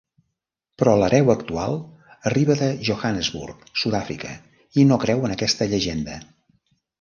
Però l'hereu actual arriba de Johannesburg, Sud-àfrica i no creu en aquesta llegenda.